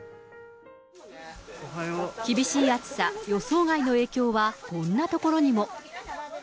厳しい暑さ、予想外の影響はこんなところにも。